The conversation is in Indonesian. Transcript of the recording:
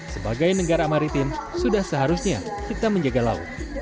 sebagai negara maritim sudah seharusnya kita menjaga laut